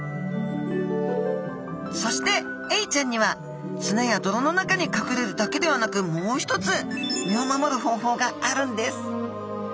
そしてエイちゃんには砂や泥の中に隠れるだけではなくもう一つ身を守る方法があるんです